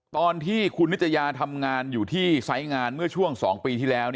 ตอนที่คุณนิตยาทำงานอยู่ที่ไซส์งานเมื่อช่วง๒ปีที่แล้ว